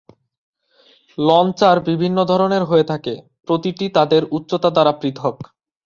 Launcher বিভিন্ন ধরনের হয়ে থাকে, প্রতিটি তাদের উচ্চতা দ্বারা পৃথক।